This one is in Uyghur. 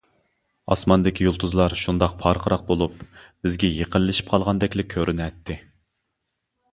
ئاسماندىكى يۇلتۇزلار شۇنداق پارقىراق بولۇپ، بىزگە يېقىنلىشىپ قالغاندەكلا كۆرۈنەتتى.